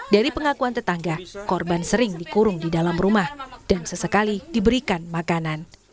dari pengakuan tetangga korban sering dikurung di dalam rumah dan sesekali diberikan makanan